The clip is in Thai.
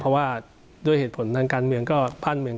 เพราะว่าโดยเหตุผลทางภาคเมือง